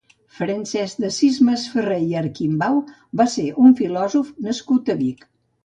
Francesc d'Assís Masferrer i Arquimbau va ser un filòsof nascut a Vic.